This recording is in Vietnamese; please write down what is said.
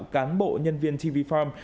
cán bộ nhân viên tv farm